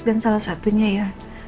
dan salah satunya ya